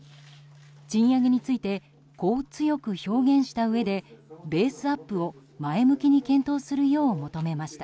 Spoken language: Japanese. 賃上げについてこう強く表現したうえでベースアップを前向きに検討するよう求めました。